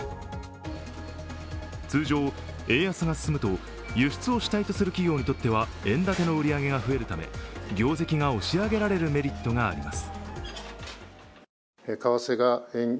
通常、円安が進むと輸出を主体とする企業にとっては円建ての売り上げが増えるため業績が押し上げられるメリットがあります。